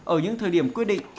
ở những thời điểm quyết định